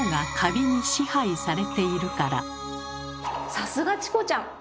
さすがチコちゃん！